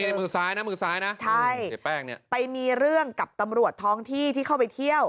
ในมือซ้ายนะมือซ้ายนะใช่เสียแป้งเนี่ยไปมีเรื่องกับตำรวจท้องที่ที่เข้าไปเที่ยว